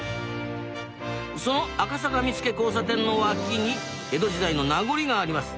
その赤坂見附交差点の脇に江戸時代の名残があります。